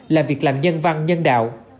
là việc làm nhân văn nhân đạo